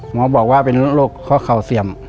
หมอบอกว่าเป็นโรคข้อเข่าเสี่ยม